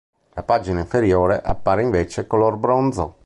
La pagina inferiore appare invece color bronzo.